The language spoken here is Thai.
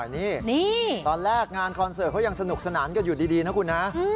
นี่ตอนแรกงานคอนเสิร์ตเขายังสนุกสนานกันอยู่ดีนะคุณฮะ